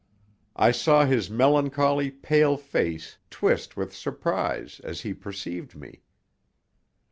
I saw his melancholy, pale face twist with surprise as he perceived me.